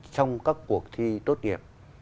trong các cuộc thi tốt nghiệp